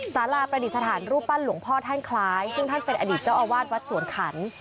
สาราประดิษฐานรูปปั้นหลวงพ่อท่านคล้ายซึ่งท่านเป็นอดีตเจ้าอาวาสวัดสวนขัน